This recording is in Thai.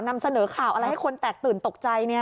นำเสนอข่าวอะไรให้คนแตกตื่นตกใจ